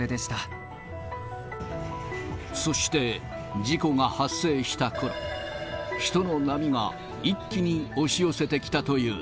そして、事故が発生したころ、人の波が一気に押し寄せてきたという。